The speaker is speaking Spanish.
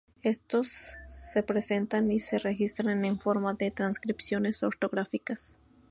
Estos se presentan y se registran en forma de transcripciones ortográficas.